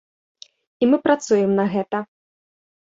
І мы працуем на гэта.